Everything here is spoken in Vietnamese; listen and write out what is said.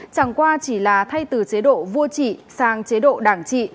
chẳng qua chỉ là thay từ chế độ vua trị sang chế độ đảng trị